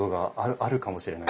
あるかもしれない。